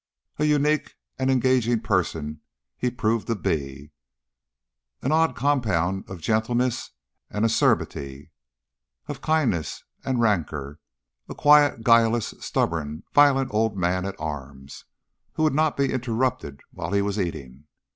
A unique and an engaging person he proved to be; an odd compound of gentleness and acerbity, of kindliness and rancor; a quiet, guileless, stubborn, violent old man at arms, who would not be interrupted while he was eating.